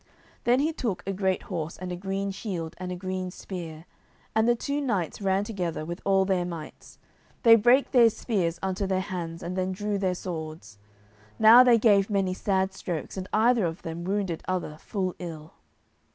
Then he took a great horse and a green shield and a green spear, and the two knights ran together with all their mights. They brake their spears unto their hands, and then drew their swords. Now they gave many sad strokes, and either of them wounded other full ill.